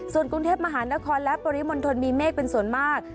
ส่วนกรุงเทพมหานครและปริมณฑลมีเมฆเป็นส่วนมาก